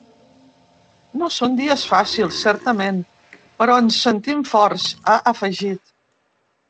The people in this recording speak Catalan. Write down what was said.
No són dies fàcils, certament, però ens sentim forts, ha afegit.